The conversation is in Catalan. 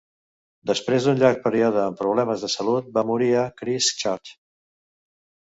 Després d'un llarg període amb problemes de salut va morir a Christ Church.